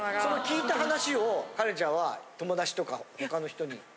その聞いた話を花恋ちゃんは友達とか他の人に。